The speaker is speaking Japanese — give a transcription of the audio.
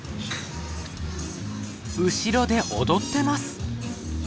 後ろで踊ってます。